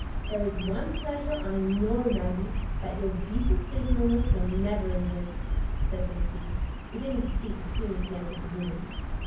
"There is one pleasure, I know, Maggie, that your deepest dismalness will never resist," said Lucy, beginning to speak as soon as she entered the room.